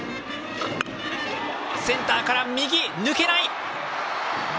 センターから右、抜けない。